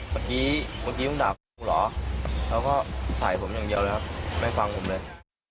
เมื่อกี้มึงด่ากับกูเหรอแล้วก็ใส่ผมอย่างเดียวเลยครับไม่ฟังผมเลย